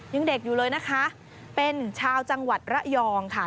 ยังเด็กอยู่เลยนะคะเป็นชาวจังหวัดระยองค่ะ